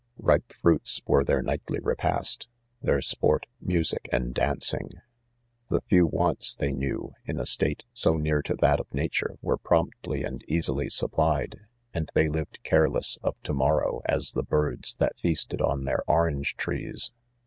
Ripe fruits were theif nightly repast, their 7 sports musre'aii d'dancin g.. " c5 '0S /IDOMEN . 4 The few wants they knew, in a state so near to that of nature, were promptly and ■■ easily supplied, and they lived careless of to mor row as the birds that feasted on their orange trees.